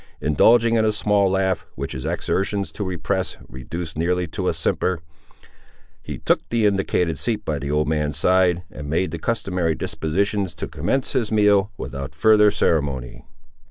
Indulging in a small laugh, which his exertions to repress reduced nearly to a simper, he took the indicated seat by the old man's side, and made the customary dispositions to commence his meal without further ceremony.